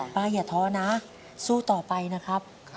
อย่าท้อนะสู้ต่อไปนะครับ